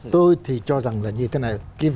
tôi thì cho rằng là như thế này